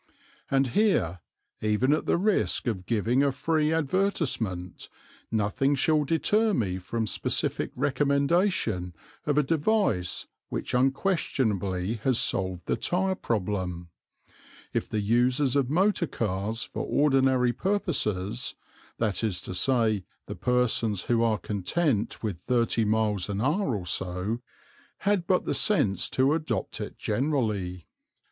And here, even at the risk of giving a free advertisement, nothing shall deter me from specific recommendation of a device which unquestionably has solved the tire problem, if the users of motor cars for ordinary purposes, that is to say the persons who are content with thirty miles an hour or so, had but the sense to adopt it generally.